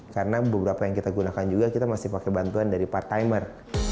karena beberapa yang kita gunakan juga kita masih pakai bantuan dari part timer